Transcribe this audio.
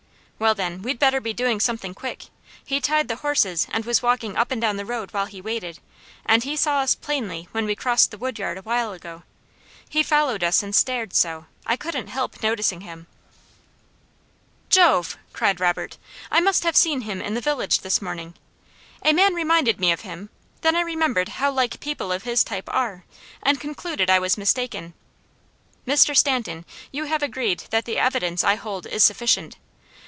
"Well, then, we'd better be doing something quick. He tied the horses and was walking up and down the road while he waited, and he saw us plainly when we crossed the wood yard a while ago. He followed us and stared so, I couldn't help noticing him." "Jove!" cried Robert. "I must have seen him in the village this morning. A man reminded me of him, then I remembered how like people of his type are, and concluded I was mistaken. Mr. Stanton, you have agreed that the evidence I hold is sufficient.